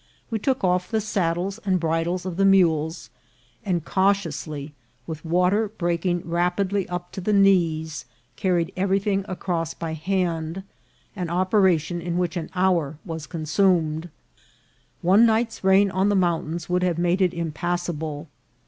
We took off the saddles and bridles of the mules, and cautiously, with the water breaking rapidly up to the knees, carried everything across by hand ; an operation in which an hour was consumed. One night's rain on the mountains would have made it impassable.